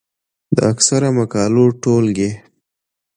د اکثرو مقالو ټولګې،